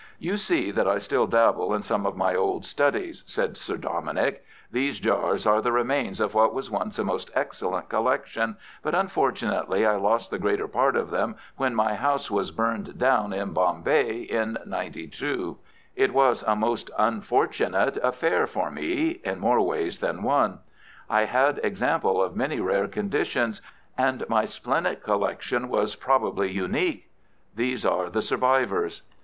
"You see that I still dabble in some of my old studies," said Sir Dominick. "These jars are the remains of what was once a most excellent collection, but unfortunately I lost the greater part of them when my house was burned down in Bombay in '92. It was a most unfortunate affair for me—in more ways than one. I had examples of many rare conditions, and my splenic collection was probably unique. These are the survivors."